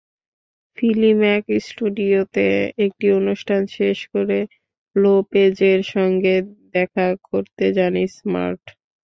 ফিলিম্যাক স্টুডিওতে একটি অনুষ্ঠান শেষ করে লোপেজের সঙ্গে দেখা করতে যান স্মার্ট।